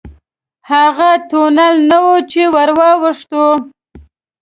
هغه تونل نه و چې ورواوښتو.